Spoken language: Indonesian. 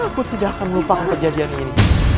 aku tidak akan melupakan kejadian ini